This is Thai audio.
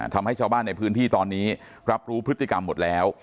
ทำให้ชาวบ้านในพื้นที่ตอนนี้รับรู้พฤติกรรมหมดแล้ว